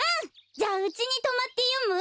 じゃあうちにとまってよむ？